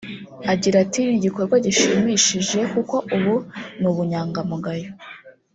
Agira ati "Ni igikorwa gishimishije kuko ubu ni ubunyangamugayo